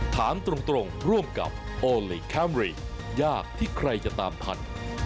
ถามตรงร่วมกับโอลี่คัมรี่ยากที่ใครจะตามทัน